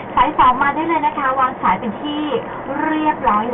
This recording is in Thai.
สาย๒มาได้เลยนะคะวางสายเป็นที่เรียบร้อยแล้ว